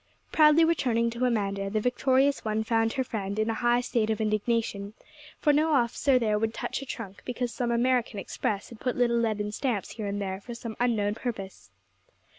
Proudly returning to Amanda, the victorious one found her friend in a high state of indignation; for no officer there would touch her trunk because some American Express had put little leaden stamps here and there for some unknown purpose.